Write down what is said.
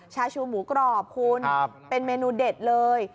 ชาชูหมูกรอบคุณเป็นเมนูเด็ดเลย